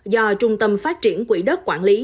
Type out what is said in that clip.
do trung tâm phát triển quỹ đất quản lý